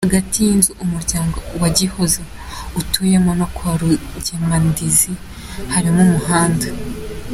Hagati y’inzu umuryango wa Gihozo utuyemo no kwa Rugemandizi harimo umuhanda.